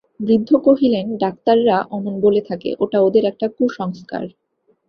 বৃদ্ধ কহিলেন, ডাক্তাররা অমন বলে থাকে, ওটা ওদের একটা কুসংস্কার।